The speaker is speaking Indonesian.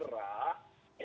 ada orang orang yang gerah